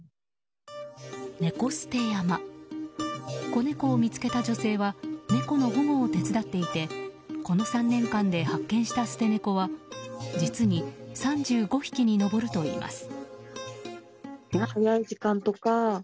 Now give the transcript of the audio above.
子猫を見つけた女性は猫の保護を手伝っていてこの３年間で発見した捨て猫は実に３５匹に上るといいます。